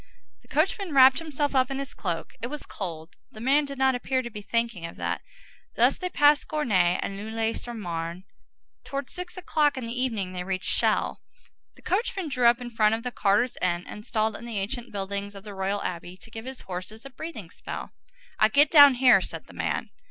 The coachman wrapped himself up in his cloak. It was cold. The man did not appear to be thinking of that. Thus they passed Gournay and Neuilly sur Marne. Towards six o'clock in the evening they reached Chelles. The coachman drew up in front of the carters' inn installed in the ancient buildings of the Royal Abbey, to give his horses a breathing spell. "I get down here," said the man.